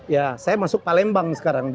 ya saya masuk palembang sekarang